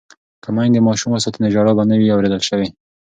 که میندې ماشوم وساتي نو ژړا به نه وي اوریدل شوې.